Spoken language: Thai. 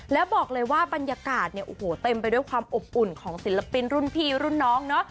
แล้วบอกเลยว่าบรรยากาศเนี่ยโอ้โหเต็มไปด้วยความอบอุ่นของศิลปินรุ่นพี่รุ่นน้องเนาะ